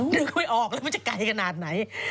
นึกไม่ออกเลยมันจะไกลขนาดไหน